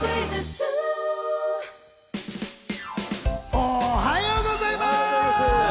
おはようございます。